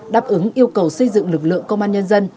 đáp ứng yêu cầu xây dựng lực lượng công an nhân dân